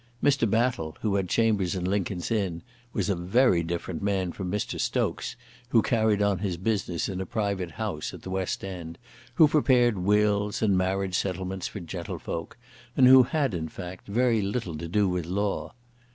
Mr. Battle, who had chambers in Lincoln's Inn, was a very different man from Mr. Stokes, who carried on his business in a private house at the West End, who prepared wills and marriage settlements for gentlefolk, and who had, in fact, very little to do with law.